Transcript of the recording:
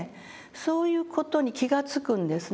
そういう事に気が付くんですね。